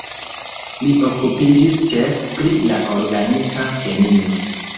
Li okupiĝis ĉefe pri la organika kemio.